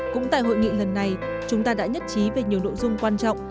cũng tại hội nghị lần này chúng ta đã nhất trí về nhiều nội dung quan trọng